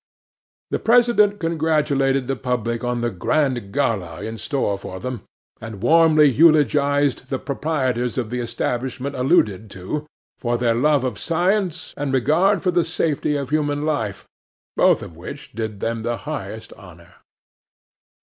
'THE PRESIDENT congratulated the public on the grand gala in store for them, and warmly eulogised the proprietors of the establishment alluded to, for their love of science, and regard for the safety of human life, both of which did them the highest honour.